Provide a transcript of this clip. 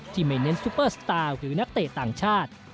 ไม่เน้นซุปเปอร์สตาร์หรือนักเตะต่างชาติ